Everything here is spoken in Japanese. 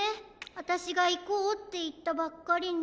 あたしが「いこう」っていったばっかりに。